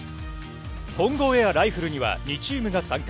混合エアライフルには２チームが参加。